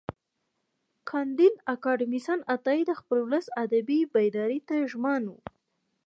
کانديد اکاډميسن عطایي د خپل ولس ادبي بیداري ته ژمن و.